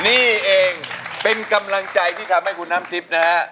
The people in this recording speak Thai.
นี่เองเป็นกำลังใจที่ทำให้คุณน้ำทิพย์นะฮะ